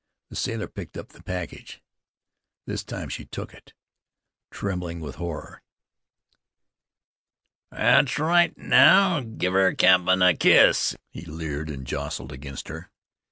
The sailor picked up the package. This time she took it, trembling with horror. "Thet's right. Now, give ther cap'n a kiss," he leered, and jostled against her.